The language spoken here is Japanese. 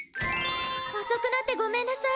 遅くなってごめんなさい。